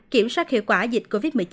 kiểm soát hiệu quả dịch covid một mươi chín